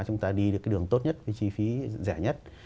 chúng ta đi được cái đường tốt nhất cái chi phí rẻ nhất